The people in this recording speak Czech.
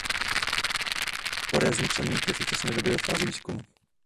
Porézní křemík je v současné době ve fázi výzkumu.